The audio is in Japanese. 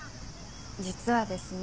実はですね